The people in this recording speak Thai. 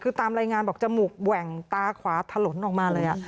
คือตามรายงานบอกจมูกแหว่งตาขวาถลนออกมาเลย